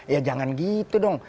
ya jangan gitu dong